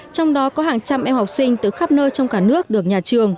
trong đó có hàng trăm em học sinh từ khắp nơi trong cả nước được nhà trường